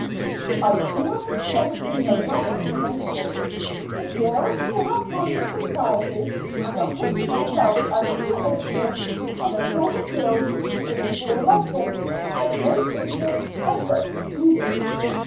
"I do not intend to name my informant. The girls who have joined your society and are putting themselves under your influence are the sort of girls who in a school like this get most injured by such proceedings.